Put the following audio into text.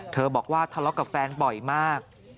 บอกว่าทะเลาะกับแฟนบ่อยมาก